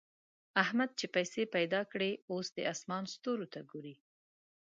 احمد چې پيسې پیدا کړې؛ اوس د اسمان ستورو ته ګوري.